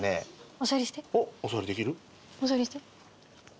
お座りして。